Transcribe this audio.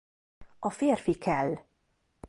A Férfi kell!